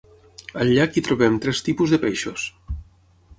Al llac hi trobem tres tipus de peixos.